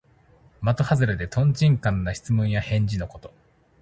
まとはずれで、とんちんかんな質問や返事のこと。